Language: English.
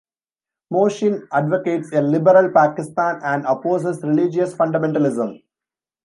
Mohsin advocates a liberal Pakistan and opposes religious fundamentalism.